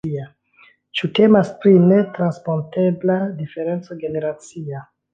Ĉu temas pri netranspontebla diferenco generacia?